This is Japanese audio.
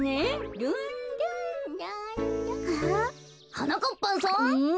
はなかっぱんさん。